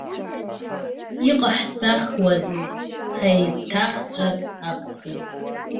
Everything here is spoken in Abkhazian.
Иҟаҳҵахуазыз, ҳаиҭахҵәар акәхеит.